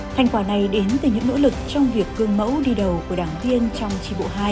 thành quả này đến từ những nỗ lực trong việc cương mẫu đi đầu của đảng viên trong tri bộ hai